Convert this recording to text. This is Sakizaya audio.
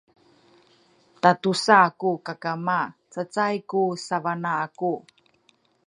tatusa ku kakama cacay ku sabana aku